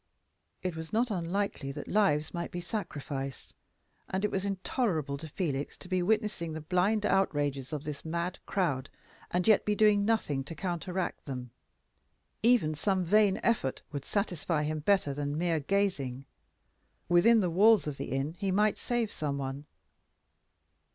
It was not unlikely that lives might be sacrificed; and it was intolerable to Felix to be witnessing the blind outrages of this mad crowd, and yet be doing nothing to counteract them. Even some vain effort would satisfy him better than mere gazing. Within the walls of the inn he might save some one.